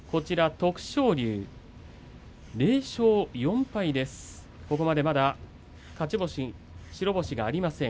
徳勝龍０勝４敗です、ここまでまだ白星がありません。